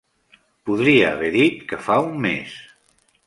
Podria haver dit que fa un mes.